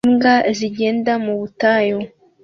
Imbwa zigenda mu butayu